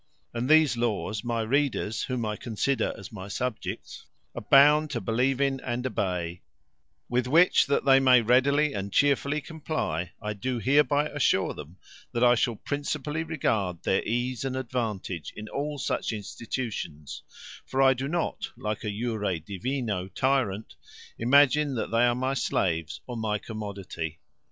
And these laws, my readers, whom I consider as my subjects, are bound to believe in and to obey; with which that they may readily and cheerfully comply, I do hereby assure them that I shall principally regard their ease and advantage in all such institutions: for I do not, like a jure divino tyrant, imagine that they are my slaves, or my commodity.